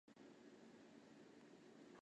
属邕州右江道羁縻州。